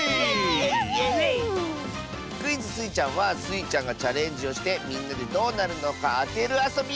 クイズ「スイちゃん」はスイちゃんがチャレンジをしてみんなでどうなるのかあてるあそび！